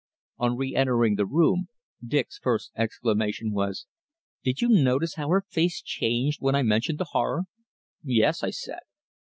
On re entering the room, Dick's first exclamation was "Did you notice how her face changed when I mentioned the horror?" "Yes," I said.